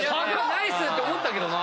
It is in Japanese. ナイスって思ったけどな。